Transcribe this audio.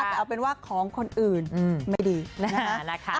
แต่เอาเป็นว่าของคนอื่นไม่ดีนะคะ